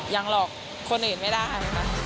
ยังหลอกคนอื่นไม่ได้ค่ะ